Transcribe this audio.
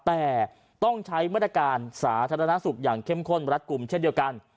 แต่ต้องใช้มาตรการสาธารณสุขอย่างเข้มข้นรัดกลุ่มเช่นเดียวกัน